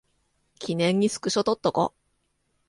記念にスクショ撮っとこ